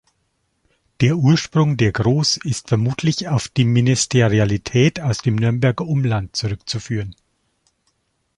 Der Ursprung der Groß ist vermutlich auf die Ministerialität aus dem Nürnberger Umland zurückzuführen.